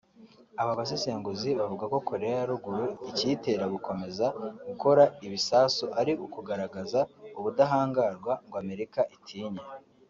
Aba basesenguzi bavuga ko Koreya ya Ruguru ikiyitera gukomeza gukora ibisasu ari ukugaragaza ubudahangarwa ngo Amerika itinye